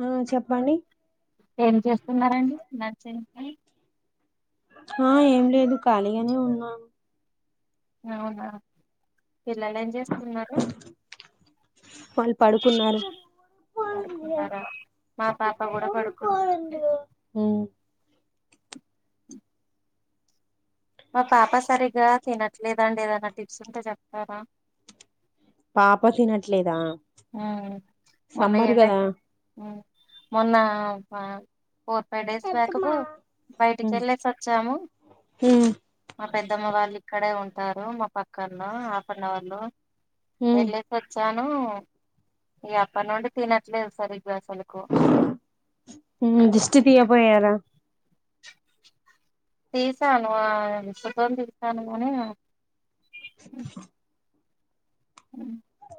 ఆ చెప్పండి ఏంచేస్తున్నారండి మంచి ఆ ఏం లేదు ఖాళీగానే ఉన్నాను అవునా పిల్లలు ఏం చేస్తున్నారు వాళ్ళు పడుకున్నారు పడుకున్నారా మా పాప కూడా పడుకుం ఉమ్ పాప సరిగ్గా తినట్లేదండి ఏమన్న టిప్స్ ఉంటే చెప్తారా పాప తినట్లేదా హ్మ్ మొన్న సమ్మర్ కదా ఎండకి హ్మ్ మొన్న ఆ ఫోర్ ఫైవ్ డేస్ బ్యాక్ బయటికి ఉమ్ వెళ్ళేసి వచ్చాము ఉమ్ పెద్దమ్మ వాళ్ళు ఇక్కడే ఉంటారు మా పక్కన్న ఆపన్న వాళ్ళు ఉమ్ వెళ్ళేసి వచ్చాం హ్మ్ ఇగ అప్పటి నుండి తినట్లేదు సరి హ్మ్ దిష్టి తీయా పోయార తీసాను ఆ ఫోటోలు తీసాను కానీ అ హ్మ్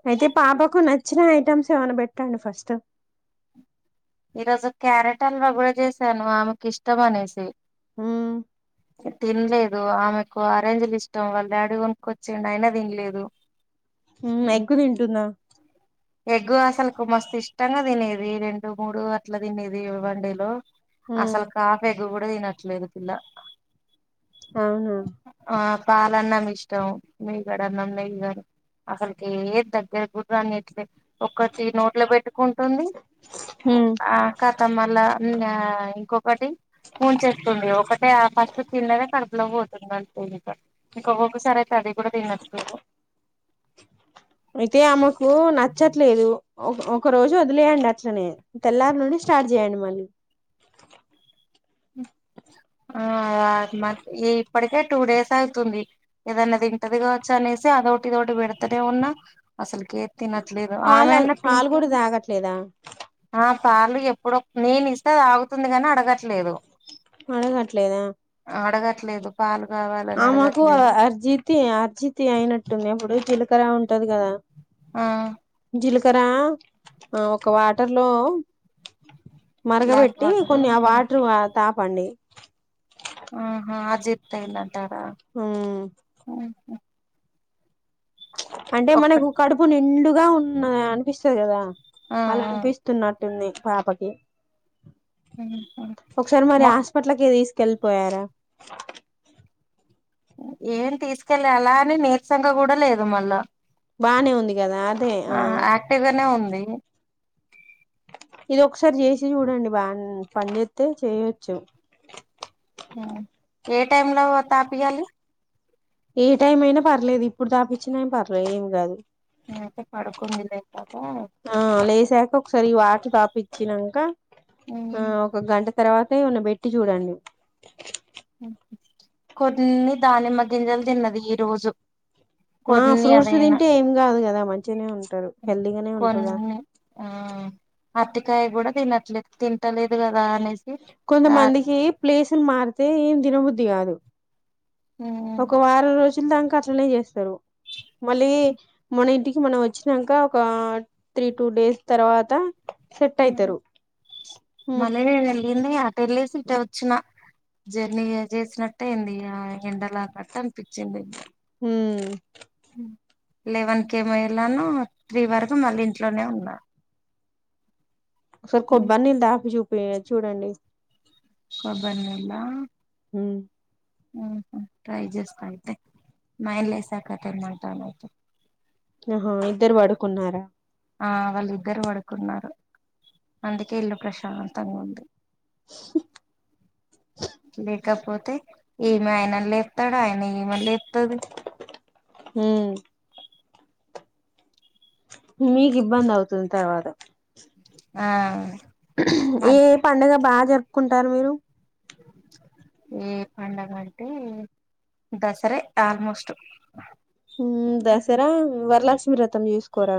అయితే పాపకు నచ్చిన ఐటమ్స్ ఏమైనా పెట్టండి ఫస్ట్ ఈ రోజు క్యారెట్ హల్వా కూడా చేశాను ఆమెకు ఇష్టం అనేసి మ్మ్ తినలేదు ఆమెకు ఆరంజెలు ఇష్టం వాళ్ళ డాడీ కొనుకొచ్చిండు అయినా తినలేదు హ్మ్ ఎగ్గు తింటుంనా ఎగ్గు అసలకు మస్తు ఇష్టంగా తినేది రెండు మూడు అట్ల తినేది వన్ డే లో ఉమ్ అసలు కాఫే ఇది కూడా తీనట్లేదు పిల్ల అవునా పాలన్న ఇష్టం మీగడ అన్నం నెయ్యి కానీ అసలకి ఏ దగ్గరకి కూడా రానియటలే కొద్దిగా నోట్లో పెట్టుకుంటుంది ఉమ్ ఆ క మళ్ళ ఇంగ ఇంకొకటి ఊంచేస్తుండంది ఒకటే ఫస్ట్ తినదే కడుపులో పోతుంది అంతే ఇంకా ఇంకక్కొక్కసారి అయితే అది కూడా తినట్లేదు అయితే అమ్మోకు ఏమో నచ్చట్లేదు ఒక రోజు వదిలేయండి అట్లనే తెల్లారి నుండి స్టార్ట్ చేయండి మళ్ళీ ఆ ఆత్మ కి ఇప్పటికే టూ డేస్ అయితుంది ఏదన్న తింటది కావచ్చు అనేసి అదొటి ఇదోటి పెడతనే ఉన్నా అసలకి తినట్లేదు పాలు ఆమెన్న పాలు కూడా తింటదని తాగట్లేదా ఆ న్నిసార్లు ఎప్పుడో నేను ఇస్తే తాగుతుంది గాని అడగట్లేదు అడగాట్లేదా ఆడగట్లేదు పాలు కావాలని ఆమెకు అడగట్లేదు అర్జితి అర్జితి అయినట్టుంది ఎప్పుడు తిలకరా ఉంటు తది కథ ఆ జిలుకు వస్త రా ఆ ఒక వాటర్ లో బ్లాక్ మరగబెట్టి వాటరు కొన్ని వాటర్ తాపండి. ఆహా అజీర్తి అయితే ఉమ్ అంటే ఒక్క మనకు కడుపు నిండుగా ఉ అనిపిస్తది కదా. ఆ అలా అనిపిస్తున్నట్టుంది. పాపకి ఆ ఒకసారి మరి మా హాస్పిటల్కి తీసు కెళ్ళి పోయారా. ఏం తీసుకెళ్ళి అలా అని నీర్సంగ కూడా లేదు మళ్ళా. బానే ఉంది కదా అదే ఆ యాక్టివ్ గానే ఉంది ఇది ఒకసారి చేసి చూడండి బాగా పనిచేస్తే చేయొచ్చు. ఏ టైమ్ లో తాపియాలి. ఏ టైం అయినా పర్లేదు ఇప్పుడు తాపచ్చిన పర్లేదు ఏం కాదు. నేనైతే పడుకుంది లే పాప ఆ లేసాక ఒకసారి వాటర్ తపి వచ్చినంక ఆ ఒక గంట. తర్వాత ఏమన్న పెట్టి చూడండి. కొన్ని దానిమ్మ గింజలు తిన్నది ఈ రోజు ఆ కొన్ని ఫ్రూట్స్ అదైనా తింటే ఏం కాదు కదా మంచిగానే ఉంటారు హెల్దీగానే ఉంటరూ కదా. కొన్ని ఆ అరటికాయ కూడా తినట్లేదు తింటలేదు కదా. అనేసి ఆ కొంతమందికి ప్లేసులు మారితే ఏ తినబుద్ధి కాదు. ఒక వారం రోజుల దాక అట్లనే చేస్తారు. మళ్ళీ మన ఇంటికి మనం వచ్చాక ఒక త్రీ టూ డేస్ తర్వాత సెట్ అయితారు ఉమ్ అటు వెళ్ళింది. అంటే వచ్చిన జర్నీ చేసినట్టే ఏంది ఎండలాగా అనిపించింది. ఉమ్ లెవెన్ కేె మో వెళ్ళాను. త్రీ వరకు మళ్ళీ ఇంట్లోనే ఉన్న. ఒకసారి కొబ్బరి నీళ్లు తాగిపి. చూడండి. కొబ్బరినీళ్ళ. ఉం ట్రై చేస్తా అంతే మా ఆయన లేసాకా తెమ్మంటాను ఆహా ఇద్దరు పడుకున్నారా. ఆ వాళ్ళు ఇద్దరు పడుకున్నారు అందుకే ఇల్లు ప్రశాంతంగా ఉంది. లేకపోతే ఏమి ఆయన లేపుతాడు ఆయన ఏమ లేతా మ్ మీకు ఇబ్బంది అవుతుంది తర్వాత ఆ మ ఏ పండగా బాగా జరుపుకుంటారు మీరు ఏ పండగంటే దసరే ఆల్మోస్ట్ మ్ దసరా వరలక్ష ఈ రతం చేస్కోరా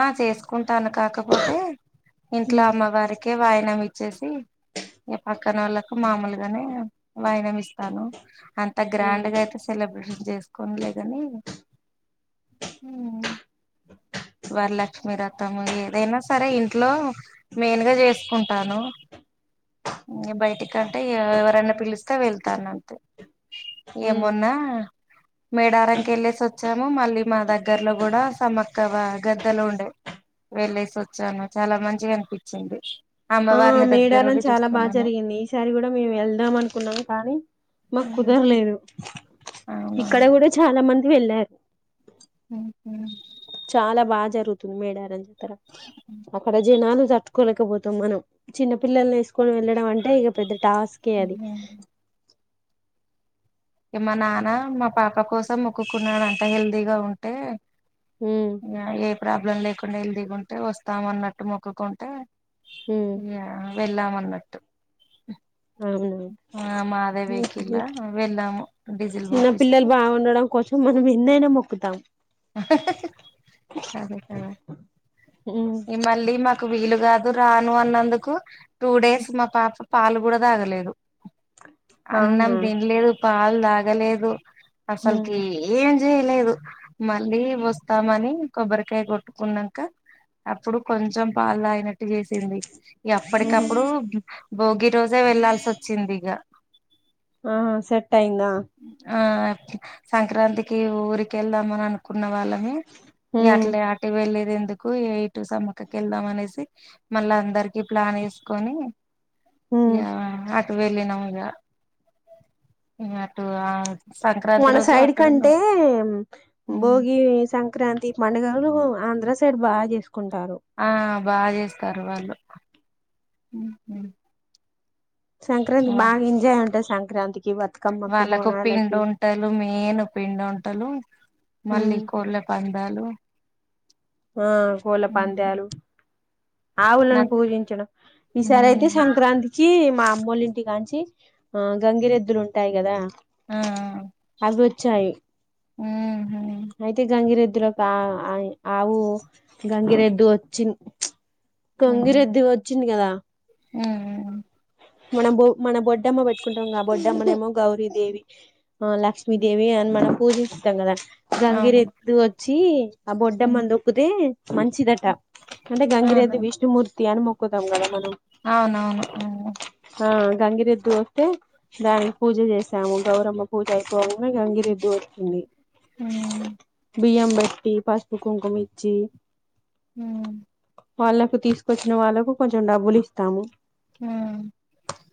ఆ చేసుకుంట తను కాకపోతే ఇంట్లో అమ్మవారికే వాయనం ఇచ్ వచ్చేసి ఈ పక్కన వాళ్ళలకు మామూలుగానే వాయినం ఇస్తాను అంతా గ్రాండ్గా అయితే సెలబ్రి చేసుకోనలేగాని మ్ వరలక్ష్మి వ్రతం ఏదైనా సరే ఇంట్లో మెయిన్గా చేసుకుంటాను మ్ బయటికంటే ఎవరైనా పిలిస్తే వెళ్తాన అంతే ఉమ్ ఏమన్నా మేడారంకి వెళ్ళేసి వచ్చాము మళ్ళీ మా దగ్గర్లో కూడా సమ క్కవా గద్దలో ఉండే వెళ్ళేసి వచ్చాను చాలా మంచిగా అనిపించింది ఆ అమ్మవారిని మేడారం దగ్గరుండి చాలా బా చూసుకున్నాను జరిగింది ఈసారి కూడా మేము వెళ్దాం అనుకున్నాము కానీ మాకు కుదరలేదు అవునా ఇక్కడే గుడ చా చాలా మంది వెళ్ళారు మ్ చాలా బాగా జరుగుతుంది మేడారం జ ఒక రోజు నాన్ తట్టుకోలేకపోతున్నాను చిన్న పల్లల్ని ఏస్ కోని వెళ్ళడం అంటే ఇక పెద్ద టాస్కే అది మా నాన్న మా పాప కోసం మొక్కుకున్నాడు అంటా హెల్దీగా ఉంటే ఉమ్ అ ఏ ప్రాబ్లం లేకుండా ఎల్దిగుంటే వస్తాం అన్నట్టు మొక్కుకుంటే ఉమ్ యా వెళ్ళాం అన్నట్టు అవున్లే ఆ మాదే వెహికిల్ల వెళ్ళాము డీజిల్ చిన్న పోపిస్తే పిల్లలు బాగుండడం కోసం మనం ఎన్నైనా మొ కుతామ్ అదే కద ఉమ్ ఈ మళ్ళీ మాకు వీలుగా నే రాను అన్నందుకు టూ డేస్ మా పాప పాలు కూడా తాగలేదు అన్నం అవునా తినలేదు పా లాగలేదు హ్మ్ అసల్కి ఏం ఇ లేదు మళ్ళీ వస్తామని కొబ్బరికాయ కొట్టుకున్నాక అప్పుడు కొంచెం పాలు దగిన గెన్ చేసింది హుహు అప్పటికప్పుడు భోగి రోజే వెళ్లాాల్సి వచ్చింది ఇగా ఆ సెట్ అయిందా ఆ సంక్రాంతికి ఊరికెలా మన కున్న వాళ్ళమే ఇగ హ్మ్ అట్లే అటు వెళ్లేది ఎందుకు ఎటు సమ్మక్కకి వెళ్దాం అనేసి మళ్ళ అందరికి ప్లాన్ వేసుకొని హ్మ్ యా ఆ వెళ్ళనమ్ ఇగ అటు ఆ మన సైడ్ కంటే ఉన్నాం భోగి సంక్రాంతి మన లు ఆంధ్ర సైడ్ బాగా చేసు కుంటారు బా చేస్తారు వాళ్ళు సంక్రాంతి బాగా ఎంజాయ్ ఉంటుంది సంక్రాంతికి వ వాళ్ళకు పిండి ఉంటారు మేన్ పిందొటలు టలు మల్ళ హ్మ్ కోళ పాన్ రాలు ఆ కోల పందలు ఆవులను నాకు పూజించడం ఈసారి అయితే సంక్రాంతికి మా మామ్మోలింటి కాంచి ఆ గంగిరెద్దులు ఉంటాయి కదా ఆ అవి వచ్చాయి ఊహు అయితే గంగిరెద్దుల ఒక ఆ ఆవు గంగిరెద్దు వచ్చి చ కంగిరదిచ్చ చిన్ కదా ఊ మన బు మన బ మ్మ పెట్టుంటాం గ బొడమ్మో గౌరీ దేవి ఆ లష్మీ దేవి అండ్ మనం పూజింస్తంగద అవును గంగిరెద్దు వచ్చి ఈ ఆ బొడ్డమ్మనిక్కితే మంచిదట అంటే ఆహా గంగిరెద్దు విష్ణుమూర్తి అని మొక్కుతాం కదా మనం అవునవును ఆ గంగిరెద్దు వస్తే దానికి పూజ చేసాము గౌరమ్మ పూజ అయిపోవంగనే గంగిరెద్దు ఒచ్చింది బియ్యం బెట్టి పస్పు కుంకుమిచ్చి ఉమ్ వాళ్ళకు తీసుకొచ్చిన వాళ్ళలకు కొంచెం డబ్బులు ఇస్తాము ఆ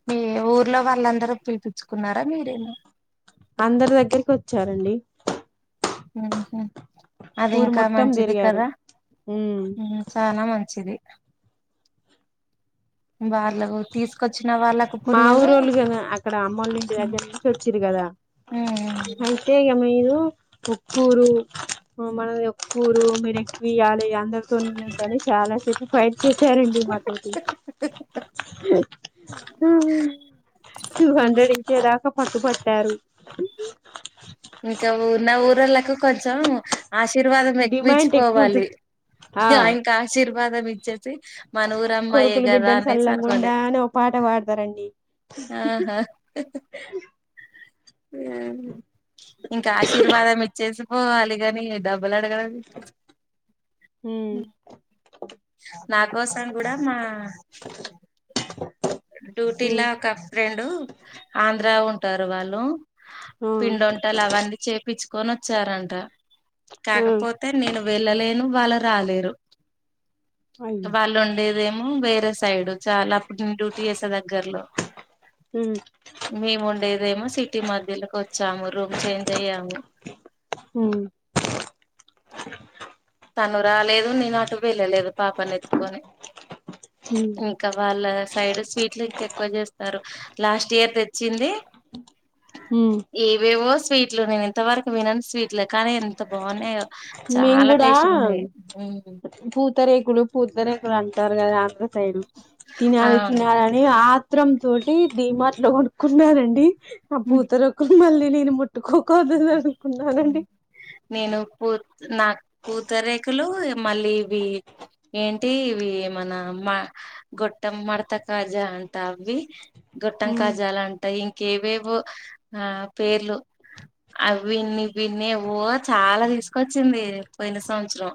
మీ ఊర్లో వాళ్ళందరూ పిలిపచ్చుకున్నారా మీరేనా అందరి దగ్గరికి వచ్చారండి ఉహు అది ఊరు ఇంకా మొత్తం మంచిది తిరిగారు కదా ఉమ్ ఉం చాన మంచిది బార్లఒ తీసుకొచ్చ మా ఊరళ్ళు కద అక్కడ అమ్మోళ్ల ఇంటి దగ్గర నుంచి వచ్చిరు కదా అంటే ఇగ మీరు ఉక్కూరు మనది ఒక్కూరు మీరు ఎక్కువయాలి అందరితోని ఉండాలి చాలా సే ఫైట్ కూచోరండి మాతోటి టూ హండ్రెడ్ ఇచ్చేదాక పట్టు పట్టారు ఇంకాఊ నాఊరోల్లకు కొచ్చం ఆశీర్వాదం డిమాండ్ ఎక్కువ ఎక్వచ్చుకోవాలి ఉంటది ఆ అయిన్కా ఆశీర్వా వాందే బిచ కొడుకులు బిడ్డలు సల్ల అనుకోవాలి గుండా అని ఒక పాట పాడతారండి ఆహా ఆ ఇంక ఆశీర్వాదం ఇచ్చే వచ్చి పోవాలిగాని ఇ డబ్ బల్లడగ ఉమ్ నాకోసం కూడా మా అ డ్యూటీలా ఒక ఫ్రెండ్ ఆంధ్ర ఉంట టరు వాళ్లు ఆ పిండి వంటలు అవన్నీ చేపిచ్ కొనొచ్చారంట ఆ కాకపోతే నేను వెళ్ళలేను వాళ్ళు రాలేరు అయ్యో వాళ్ళు ఉండేదేమో వేరే సైడ్ చాల ఇప్పుడు నేను డ్యూటీ చేసా దగ్గర్లో ఉమ్ మేము ఉండేదేమో సిటీ మధ్యలోకి వచ్చాము రూమ్ చేంజ్ అయ్యాము ఉమ్ తను రాలేదు నేను అటు వెళ్ళలేదు పాపని ఎత్తుకొని ఉమ్ ఇంకా వాళ్ళ సైడ్ స్వీట్లు ఇంకా ఎక్కువ చేస్తారు లాస్ట్ ఇయర్ తెచ్చింది ఉమ్ ఏవేవో స్వీట్ లో నేను ఇంత వరకు వినను స్వీట్ లు కానీ ఎంత బాగున్నాయో చాలా ఆ టేస్ట్గా ఉన్నాయి ఉమ్ పూతరేకులు పూతరేకులు అంటారు కదా అందరు ఆ తినళ తినల అని ఆ మత్రం తోటి దీ మాట్లో కొడుక్కున్నారండి పూతరేకులు మళీ నేను ముట్ ఇట్టుకోకద అనుకున్నానండి నా పూతరేఖలు మళ్ళీ ఇవి ఏంటి ఇవి మన మ గొట్ట మడత కాజా అంటరు కదా అవి గుొట్టం కాజాలు అంటాయి కేవేవో ఆ పేర్లు అవిన్ని పిన్నివో చాలా తీసుకొచ్చింది పోయిన సంవత్సరం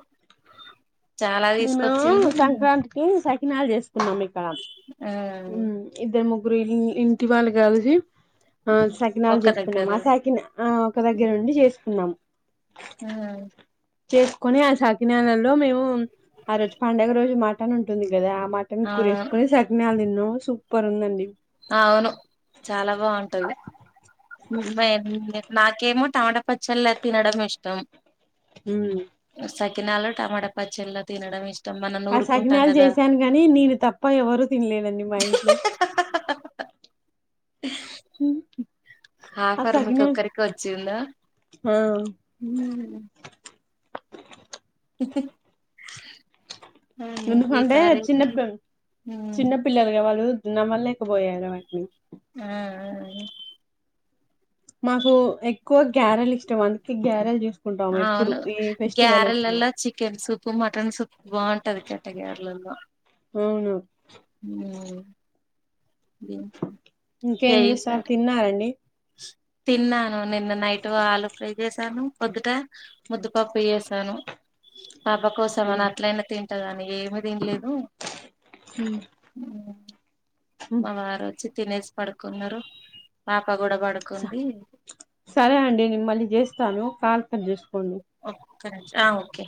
చాలా మేము తీసుకొచ్చింది సంక్రాంతికి సకినాలు చేసుకున్నాం ఇక్కడ ఆ ఇద్దరు ముగ్ రు ఇ ఇంటి వాళ్ళు కలిసి ఆ సకినాలు ఒక్క చేసుకున్నాము ఆ దగ్గర సకినా ఆ ఒక దగ్గర నుండి చేసుకున్నాము హ్మ్మ్ చేసుకుొని ఆ సాకి నాలలో మేము ఆ రోజు పండుగ రోజు మాటన్ ఉంటుంది ది కదా ఆ మటన్ అవునవును కురేసుకొని శకినాలు తిన్నాము సూపర్ ఉందండి అవును చాలా బాగుంటది మ నాకేమో టమాటా పచ్చళ్ళ తినడం ఇష్టం హ్మ్మ్ సకినాలో టమాటా పచ్చళ్లా తినడం ఇష్టం మనం ఆ నూరుకుంటాం సకినాలు కదా చేసాను గాని నేను తప్ప ఎవరుూ తినలేనండి మా ఇంట్లో హ ఆఫర్ మీకు ఒక్కరికె వచ్చిందా ఆ ఇహ్ ఎందుకంటే చిన్నప్ ఉమ్, చిన్నపిల్లలుగా వాళ్ళు నమల్లేకపోయారు. వాటిని ఆ అ మాకు ఎక్కోద్ క్యారెల్ ఇష్టం. డ్ అందుకే గ్యారల్ చూసుకుంటాం. ఆ, ఎప్పుడు అవును ఏ ఫెస్టివల్ వచ్చినా కుమ ఫ్రెండ్స్ప్ బాగుంటది కట గారేలల్లో అవును దీనికి ఇంకేం ఏ చేస్తారు తిన్నారండి తిన్నాను నిన్న నైట్ ఆలు ఫ్రై చేసాను. పొద్దుట ముద్దుపప్పు చేసాను. పాప కోసం అని ఉమ్ అట్లయినా తిన్ ఇతాగాని ఏమిదింలేదు ఊ ఉమ్ పారు వచ్చి తినేసి పడుకున్నారు పాప్ సరే అండి నేను మళ్ళి జేస్తాను కాల్ నిస్ ఫోని ఒక్క నిమిషా ఆ ఓకే